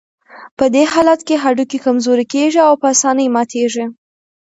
په دې حالت کې هډوکي کمزوري کېږي او په آسانۍ ماتېږي.